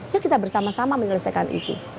yuk kita bersama sama menyelesaikan itu